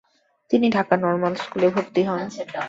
তিনি ঢাকা নর্মাল স্কুলে ভর্তি হন।